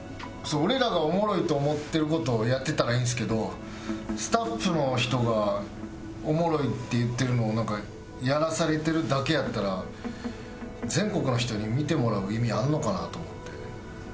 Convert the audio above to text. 俺らがおもろいと思ってる事をやってたらいいんですけどスタッフの人がおもろいって言ってるのをなんかやらされてるだけやったら全国の人に見てもらう意味あんのかなと思って。